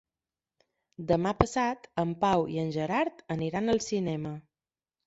Demà passat en Pau i en Gerard aniran al cinema.